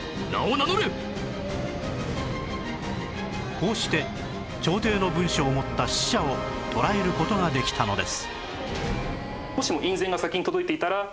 こうして朝廷の文書を持った使者を捕らえる事ができたのです